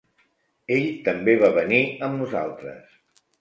Ell també va venir amb nosaltres.